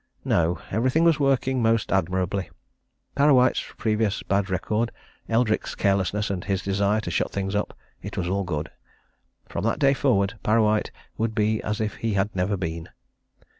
No everything was working most admirably Parrawhite's previous bad record, Eldrick's carelessness and his desire to shut things up: it was all good. From that day forward, Parrawhite would be as if he had never been.